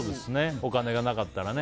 お金がなかったらね。